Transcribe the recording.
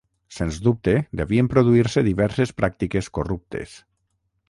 Sens dubte devien produir-se diverses pràctiques corruptes.